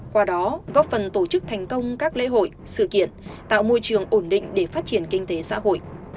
qua đó góp phần tổ chức thành công các lễ hội sự kiện tạo môi trường ổn định để phát triển kinh tế xã hội